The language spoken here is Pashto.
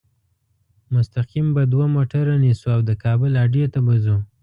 مستقیم به دوه موټره نیسو او د کابل اډې ته به ځو.